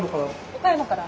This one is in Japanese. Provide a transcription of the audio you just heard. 岡山から？